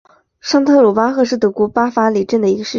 上特鲁巴赫是德国巴伐利亚州的一个市镇。